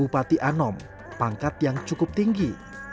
pangkat yang cukup tinggi